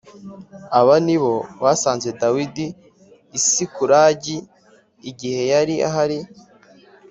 Aba ni bo basanze Dawidi i Sikulagi i igihe yari ahari